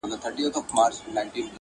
بدكارمو كړی چي وركړي مو هغو ته زړونه,